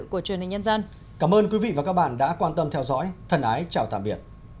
cảm ơn các bạn đã theo dõi và hẹn gặp lại